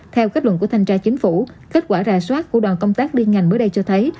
theo kết luận của thanh tra chính phủ kết quả rà soát của đoàn công tác liên ngành mới đây cho thấy